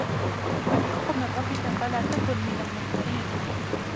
الْحَقُّ مِنْ رَبِّكَ فَلَا تَكُنْ مِنَ الْمُمْتَرِينَ